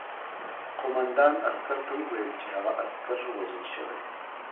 قوماندان عسکر ته وویل چې هغه عسکر وژل شوی